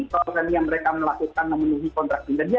kalau tadi yang mereka melakukan memenuhi kontrak interdia